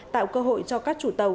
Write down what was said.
tạo cơ hội cho các chủ tàu